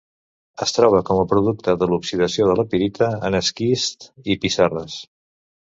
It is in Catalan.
Es troba com a producte de l'oxidació de la pirita en esquists i pissarres.